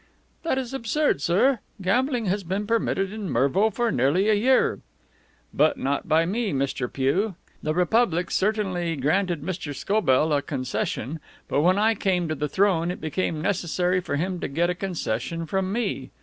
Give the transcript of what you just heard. "This is absurd, sir. Gambling has been permitted in Mervo for nearly a year." "But not by me, Mr. Pugh. The Republic certainly granted Mr. Scobell a concession. But, when I came to the throne, it became necessary for him to get a concession from me.